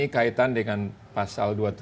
pemerintah kepada rakyatnya